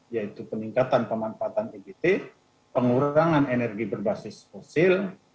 yaitu peningkatan pemanfaatan egt pengurangan energi berbasis fosil